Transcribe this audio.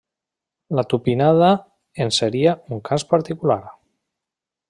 La tupinada en seria un cas particular.